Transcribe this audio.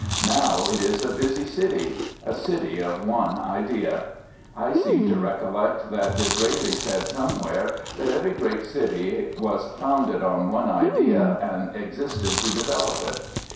Now it is a busy city, a city of one idea. I seem to recollect that D'Israeli said somewhere that every great city was founded on one idea and existed to develop it.